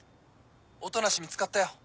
音無見つかったよ。